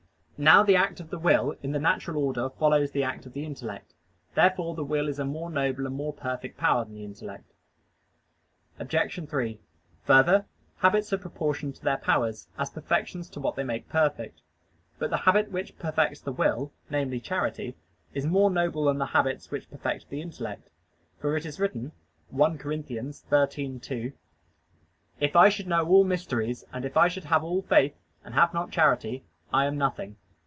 Now the act of the will, in the natural order, follows the act of the intellect. Therefore the will is a more noble and perfect power than the intellect. Obj. 3: Further, habits are proportioned to their powers, as perfections to what they make perfect. But the habit which perfects the will namely, charity is more noble than the habits which perfect the intellect: for it is written (1 Cor. 13:2): "If I should know all mysteries, and if I should have all faith, and have not charity, I am nothing."